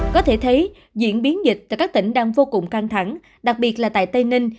có thể thấy diễn biến dịch tại các tỉnh đang vô cùng căng thẳng đặc biệt là tại tây ninh